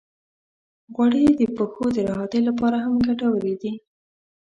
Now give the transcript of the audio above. غوړې د پښو د راحتۍ لپاره هم ګټورې دي.